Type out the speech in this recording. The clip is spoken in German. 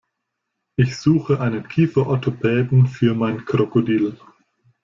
Ich suche einen Kieferorthopäden für mein Krokodil.